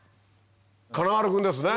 金丸君ですね。